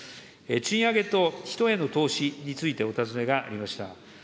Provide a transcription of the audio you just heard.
賃上げと人への投資についてお尋ねがありました。